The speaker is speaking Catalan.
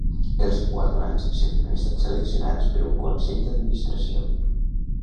Els guardonats sempre han estat seleccionats per un consell d'administració.